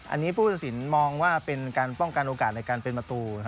อันนี้ผู้ตัดสินมองว่าเป็นการป้องกันโอกาสในการเป็นประตู